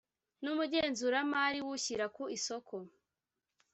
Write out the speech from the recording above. n umugenzuramari w ushyira ku isoko